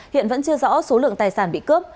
hiện vẫn chưa rõ số lượng tài sản bị cướp